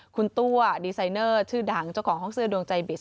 คุณตัวดีไซเนอร์ชื่อดังเจ้าของห้องเสื้อดวงใจบิส